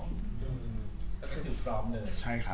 มีความสุขมากขึ้น